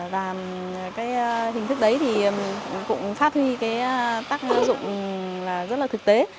và cái hình thức đấy thì cũng phát huy cái tác dụng rất là thực tế